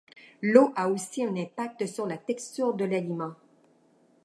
L'eau a aussi un impact sur la texture de l'aliment.